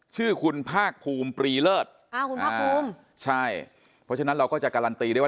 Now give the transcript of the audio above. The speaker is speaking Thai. ชื่อคุณภาคภูมิปรีเลิศอ่าคุณภาคภูมิใช่เพราะฉะนั้นเราก็จะการันตีได้ว่า